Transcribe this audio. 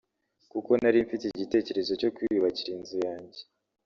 Kuko nari mfite igitekerezo cyo kwiyubakira inzu yanjye